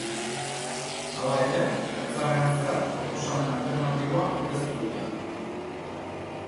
Hala ere, batzarrean zehar proposamen alternatiboa aurkeztu dute.